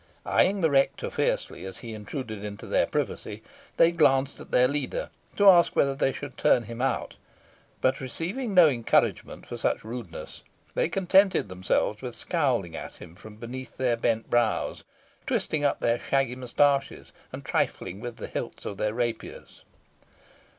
Eyeing the rector fiercely, as he intruded upon their privacy, they glanced at their leader to ask whether they should turn him out; but, receiving no encouragement for such rudeness, they contented themselves with scowling at him from beneath their bent brows, twisting up their shaggy mustaches, and trifling with the hilts of their rapiers.